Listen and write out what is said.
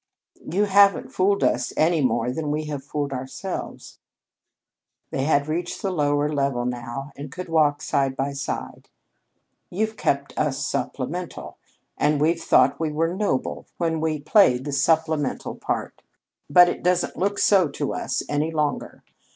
"You haven't fooled us any more than we have fooled ourselves." They had reached the lower level now, and could walk side by side. "You've kept us supplemental, and we've thought we were noble when we played the supplemental part. But it doesn't look so to us any longer.